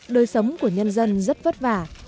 đời sống của nhân dân rất vất vả